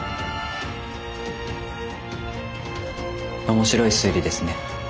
面白い推理ですね。